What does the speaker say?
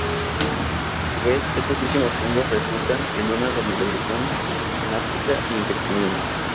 A su vez estos últimos cambios, resultan en una remodelación sináptica y en crecimiento.